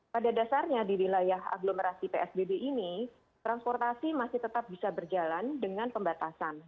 pada dasarnya di wilayah aglomerasi psbb ini transportasi masih tetap bisa berjalan dengan pembatasan